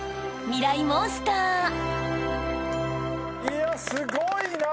いやすごいなぁ！